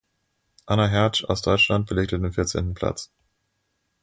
Anna Hertzsch aus Deutschland belegte den vierzehnten Platz.